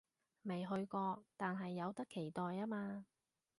未去過，但係有得期待吖嘛